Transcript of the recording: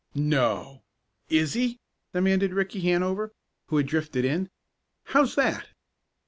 "No! is he?" demanded Ricky Hanover, who had drifted in. "How's that?"